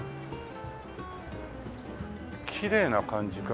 きれいな感じかな。